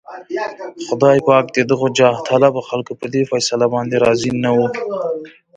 خدای پاک د دغو جاهطلبو خلکو په دې فيصله باندې راضي نه و.